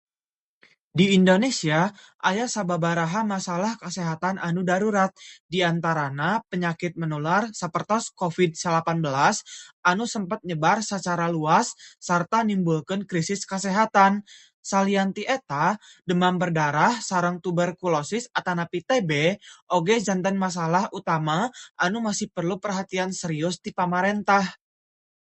Di Indonesia, aya sababaraha masalah kasehatan anu darurat, di antarana penyakit menular sapertos COVID-19 anu sempet nyebar sacara luas sarta nimbulkeun krisis kasehatan. Salian ti eta, demam berdarah sareng Tuberkulosis atanapi TB oge janten masalah utama anu masih perlu perhatian serius ti pamarentah.